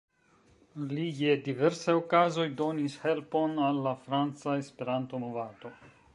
Li je diversaj okazoj donis helpon al la franca Esperanto-movado.